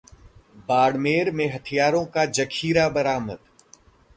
बाड़मेर में हथियारों का जखीरा बरामद